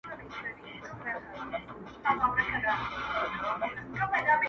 دروازې د ښوونځیو مي تړلي -